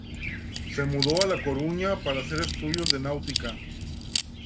Se mudó a La Coruña para hacer estudios de náutica.